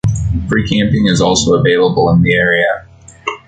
Free camping is also available in the area.